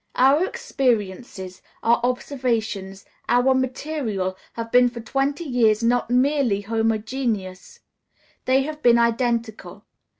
Our experiences, our observations, our material, have been for twenty years not merely homogeneous they have been identical.